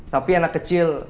tapi anak kecil